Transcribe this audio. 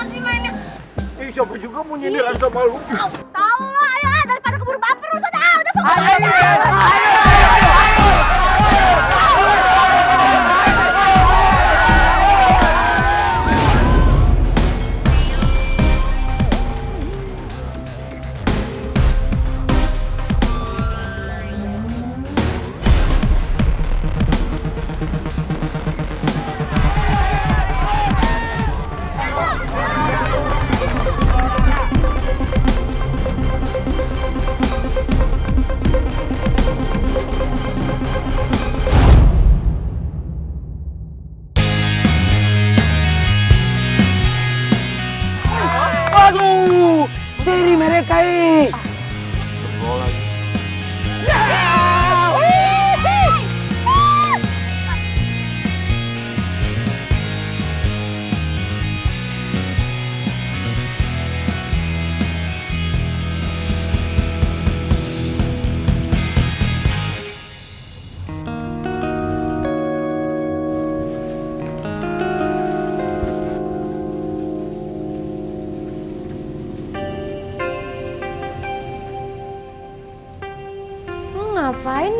sih banyak juga mau nyanyi sama lu tahu lo ayo daripada keburu baper